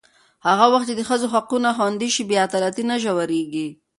هغه وخت چې د ښځو حقونه خوندي شي، بې عدالتي نه ژورېږي.